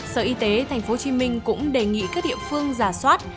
sở y tế tp hcm cũng đề nghị các địa phương giả soát